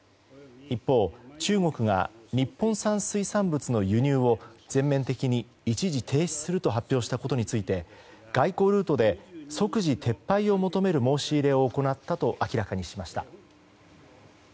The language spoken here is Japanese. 一方、中国が日本産水産物の輸入を全面的に一時停止すると発表したことについて外交ルートで即時撤廃を求める申し入れを行ったと明らかにしました。